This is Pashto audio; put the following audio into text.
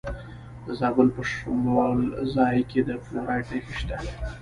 د زابل په شمولزای کې د فلورایټ نښې شته.